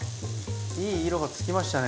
いい色がつきましたね。